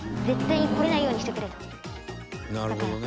絶対に来れないようにしてくれと。